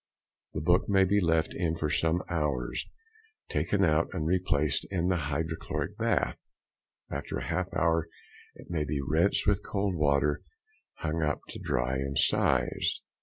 The book may be left in for some hours, taken out and replaced in the hydrochloric bath; after a half hour it may be rinsed with cold water, hung up to dry, and sized.